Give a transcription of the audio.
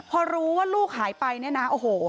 พอรู้ว่าลูกหายไปเนี่ยนะโอ้โห